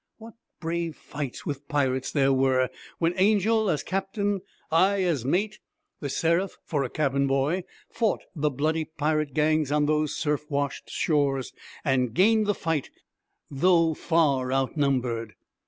What brave fights with pirates there were, when Angel as captain, I as mate, with The Seraph for a cabin boy, fought the bloody pirate gangs on those surf washed shores, and gained the fight, though far outnumbered!